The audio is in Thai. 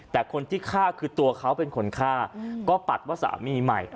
แต่คนที่ฆ่าคือตัวเขาเป็นคนฆ่าก็ปัดว่าสามีใหม่